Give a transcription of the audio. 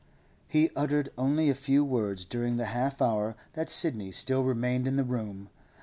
He uttered only a few words during the half hour that Sidney still remained in the room.